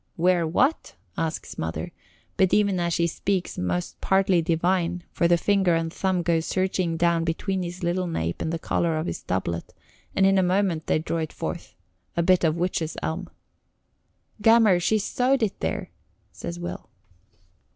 "Wear what?" asks Mother, but even as she speaks must partly divine, for a finger and thumb go searching down between his little nape and the collar of his doublet, and in a moment they draw it forth, a bit of witches' elm. "Gammer, she sewed it there," says Will.